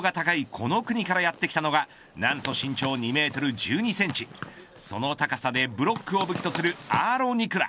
この国からやって来たのがなんと身長２メートル１２センチその高さでブロックを武器とするアーロ・ニクラ。